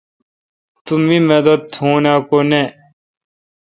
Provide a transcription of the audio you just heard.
تو می مدد تھو اؘ کو نہ۔